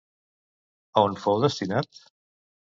A on fou destinat?